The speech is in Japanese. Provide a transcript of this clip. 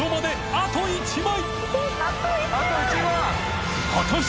あと１万。